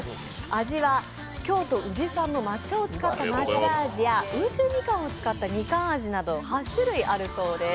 味は京都宇治産の抹茶を使った抹茶味や温州みかんを使ったみかん味など８種類あるそうです。